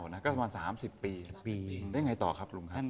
ก็สำหรับสามสิบปีสามสิบปีสามสิบปีได้ไงต่อครับลุงครับ